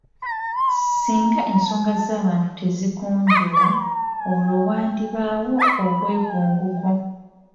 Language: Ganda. Singa ensonga z'abantu tezigonjoolwa olwo wandibaawo obwegugungo.